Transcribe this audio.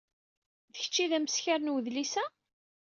D kecc ay d ameskar n wedlis-a?